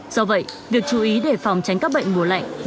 do vậy việc chú ý để phòng tránh các bệnh mùa lạnh